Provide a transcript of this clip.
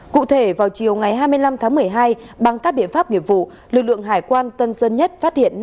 cụ thể vào chiều ngày hai mươi năm tháng một mươi hai bằng các biện pháp nghiệp vụ lực lượng hải quan tân sơn nhất phát hiện